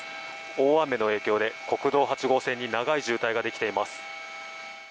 大雨の影響で国道８号線に長い渋滞ができています。